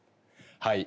はい。